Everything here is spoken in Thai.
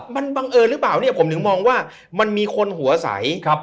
มันบังเอิญหรือเปล่าเนี่ยผมถึงมองว่ามันมีคนหัวใส